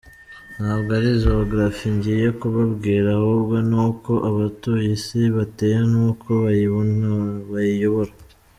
Ntabwo ari Geographie ngiye kubabwira ahubwo ni uko abatuye Isi bateye n’uko bayiyobora.